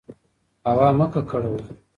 هوا ککړه مه کوئ.